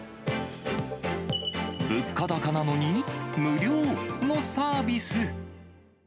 物価高なのに無料のサービス。